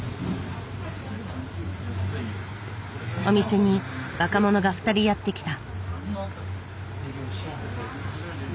お店に若者が２人やって来た。